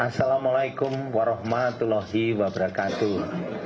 assalamualaikum warahmatullahi wabarakatuh